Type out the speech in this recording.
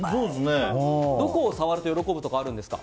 どこを触ると喜ぶとかあるんですか？